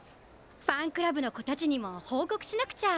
ファンクラブのこたちにもほうこくしなくちゃ。